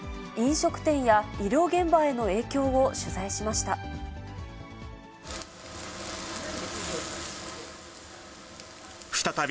飲食店や医療現場への影響を取材しました。